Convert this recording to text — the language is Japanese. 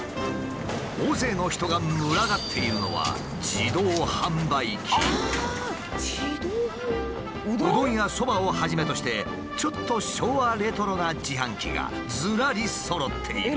大勢の人が群がっているのはうどんやそばをはじめとしてちょっと昭和レトロな自販機がずらりそろっている。